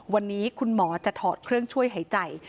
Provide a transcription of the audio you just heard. วันนี้คุณหมอจะถอดเครื่องช่วยหายใจ